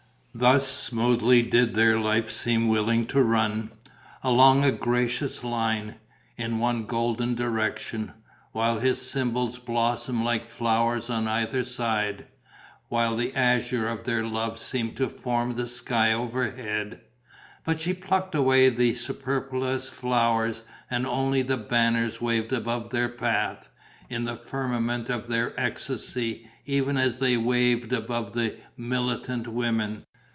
Thus smoothly did their life seem willing to run, along a gracious line, in one golden direction, while his symbols blossomed like flowers on either side, while the azure of their love seemed to form the sky overhead; but she plucked away the superfluous flowers and only The Banners waved above their path, in the firmament of their ecstasy, even as they waved above the militant women.